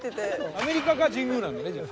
アメリカか神宮なんだねじゃあ。